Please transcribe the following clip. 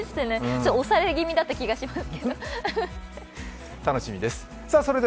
ちょっと押され気味だった気がします。